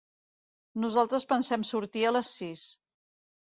Nosaltres pensem sortir a les sis.